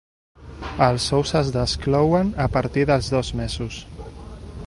Els ous es desclouen a partir dels dos mesos.